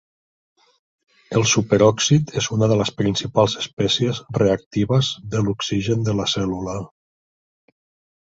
El superòxid es una de les principals espècies reactives de l'oxigen de la cèl·lula.